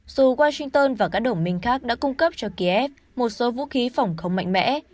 dù washington và các đồng minh khác đã cung cấp cho kiev một số vũ khí phòng không mạnh mẽ